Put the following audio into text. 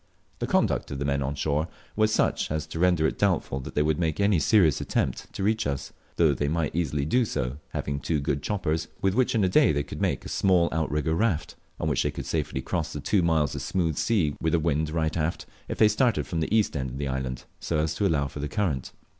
The conduct of the men on shore was such as to render it doubtful if they would make any serious attempt to reach us, though they might easily do so, having two good choppers, with which in a day they could male a small outrigger raft on which they could safely cross the two miles of smooth sea with the wind right aft, if they started from the east end of the island, so as to allow for the current.